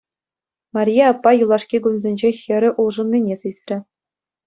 Марье аппа юлашки кунсенче хӗрӗ улшӑннине сисрӗ.